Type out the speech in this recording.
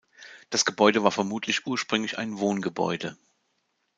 Das Gebäude war vermutlich ursprünglich ein Wohngebäude.